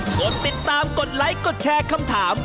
กดติดตามกดไลค์กดแชร์คำถาม